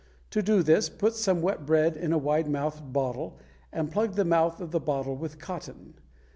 To do this, put some wet bread in a wide mouthed bottle and plug the mouth of the bottle with cotton.